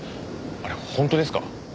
あれ本当ですか？